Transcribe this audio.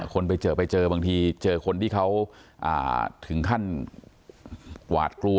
คนไปเจอไปเจอบางทีเจอคนที่เขาถึงขั้นหวาดกลัว